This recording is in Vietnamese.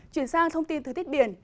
chuyển sang thông tin thời tiết biển